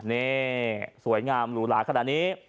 นี่สวยงามหรูหลาขนาดนี้